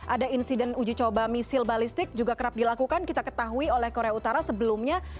ada insiden uji coba misil balistik juga kerap dilakukan kita ketahui oleh korea utara sebelumnya